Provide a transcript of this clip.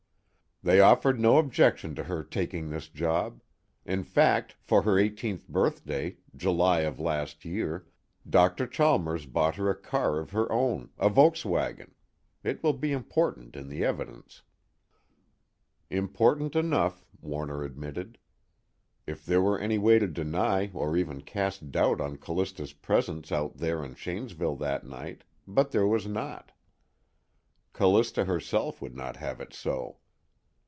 _) "They offered no objection to her taking this job. In fact for her eighteenth birthday, July of last year, Dr. Chalmers bought her a car of her own, a Volkswagen it will be important in the evidence." Important enough, Warner admitted. If there were any way to deny or even cast doubt on Callista's presence out there in Shanesville that night but there was not. Callista herself would not have it so.